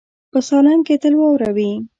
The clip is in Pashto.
په سالنګ کې تل واوره وي.